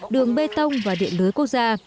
đường bê tông và điện lưới quốc gia